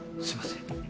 すいません。